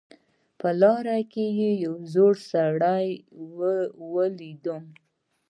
په لاره کې یو زوړ سړی ولیدم